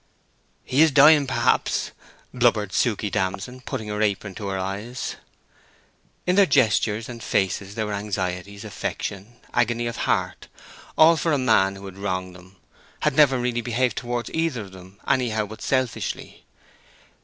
"He is dying, perhaps," blubbered Suke Damson, putting her apron to her eyes. In their gestures and faces there were anxieties, affection, agony of heart, all for a man who had wronged them—had never really behaved towards either of them anyhow but selfishly.